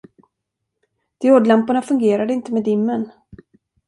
Diodlamporna fungerade inte med dimmern.